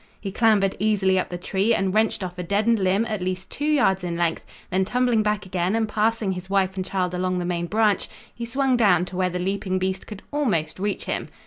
He clambered easily up the tree and wrenched off a deadened limb at least two yards in length, then tumbling back again and passing his wife and child along the main branch, he swung down to where the leaping beast could almost reach him.